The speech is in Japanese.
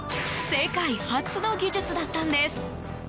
世界初の技術だったんです。